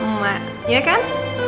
emak iya kan